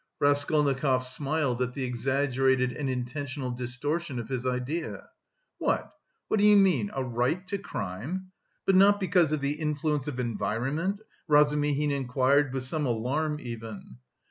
Raskolnikov smiled at the exaggerated and intentional distortion of his idea. "What? What do you mean? A right to crime? But not because of the influence of environment?" Razumihin inquired with some alarm even.